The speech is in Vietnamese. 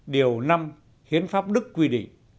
điều năm hiến pháp đức quy định